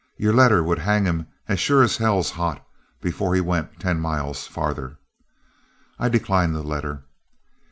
Your letter would hang him as sure as hell's hot, before he went ten miles farther.' I declined the letter.